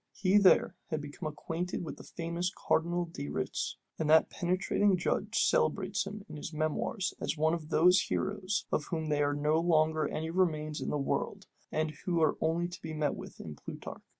He there became acquainted with the famous Cardinal de Retz, and that penetrating judge celebrates him in his memoirs as one of those heroes, of whom there are no longer any remains in the world, and who are only to be met with in Plutarch.